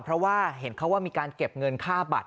เพราะว่าเห็นเขาว่ามีการเก็บเงินค่าบัตร